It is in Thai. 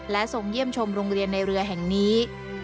ทรงเยี่ยมชมโรงเรียนในเรือแห่งนี้